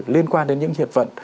liên quan đến những hiệp vận